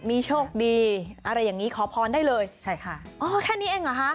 มีโชคดีอะไรอย่างงี้ขอพรได้เลยใช่ค่ะอ๋อแค่นี้เองเหรอคะ